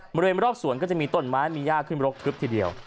บริเวณรอบสวนก็จะมีต้นไม้มีย่าขึ้นรกทึบทีเดียว